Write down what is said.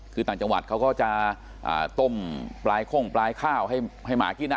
คือต่างจังหวัดเขาก็จะต้มปลายโค้งปลายข้าวให้หมากิน